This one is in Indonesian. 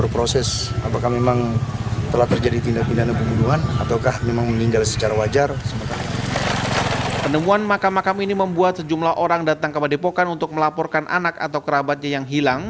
penemuan makam makam ini membuat sejumlah orang datang ke padepokan untuk melaporkan anak atau kerabatnya yang hilang